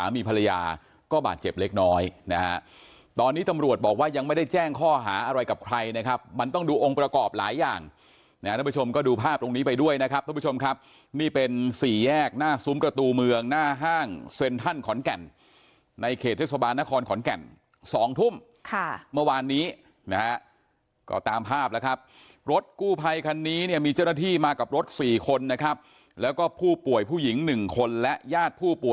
มีภรรยาก็บาดเจ็บเล็กน้อยนะฮะตอนนี้ตำรวจบอกว่ายังไม่ได้แจ้งข้อหาอะไรกับใครนะครับมันต้องดูองค์ประกอบหลายอย่างนะฮะท่านผู้ชมก็ดูภาพตรงนี้ไปด้วยนะครับท่านผู้ชมครับนี่เป็นสี่แยกหน้าซุ้มกระตูเมืองหน้าห้างเซ็นทั่นขอนแก่นในเขตเทศบาลนครขอนแก่นสองทุ่มค่ะเมื่อวานนี้นะฮะก็ตามภา